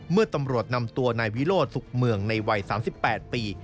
เมื่อตำรวจนำตัวนายวิโรธสุขเมืองในวัย๓๘ปี